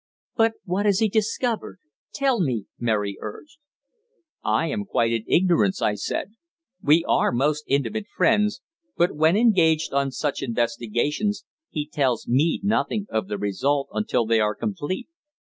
"But what has he discovered? Tell me," Mary urged. "I am quite in ignorance," I said. "We are most intimate friends, but when engaged on such investigations he tells me nothing of their result until they are complete.